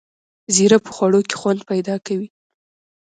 زیره په خوړو کې خوند پیدا کوي